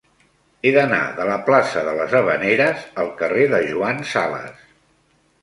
He d'anar de la plaça de les Havaneres al carrer de Joan Sales.